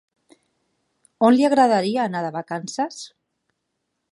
On li agradaria anar de vacances?